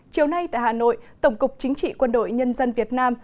chiều nay tại hà nội tổng cục chính trị quân đội nhân dân việt nam